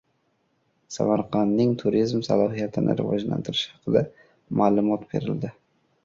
Samarqandning turizm salohiyatini rivojlantirish haqida ma’lumot berildi